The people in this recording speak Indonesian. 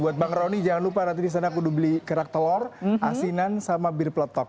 buat bang rony jangan lupa nanti di sana aku udah beli kerak telur asinan sama bir peletok